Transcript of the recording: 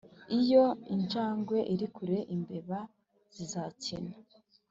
iyo injangwe iri kure imbeba zizakina